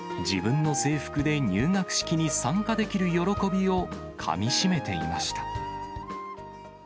自分の制服で入学式に参加できる喜びをかみしめていました。